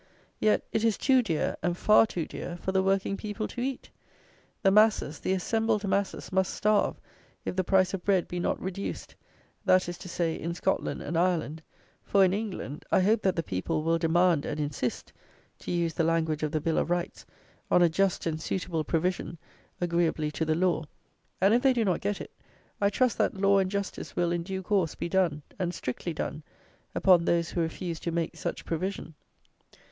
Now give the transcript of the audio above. Yet, it is too dear, and far too dear, for the working people to eat! The masses, the assembled masses, must starve, if the price of bread be not reduced; that is to say, in Scotland and Ireland; for, in England, I hope that the people will "demand and insist" (to use the language of the Bill of Rights) on a just and suitable provision, agreeably to the law; and, if they do not get it, I trust that law and justice will, in due course, be done, and strictly done, upon those who refuse to make such provision.